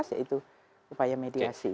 yaitu upaya mediasi